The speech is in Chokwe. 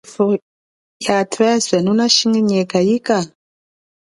Ifwo ya tweswe, nunashinginyeka ika?